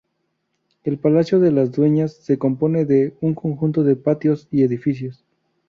El palacio de las Dueñas se compone de un conjunto de patios y edificios.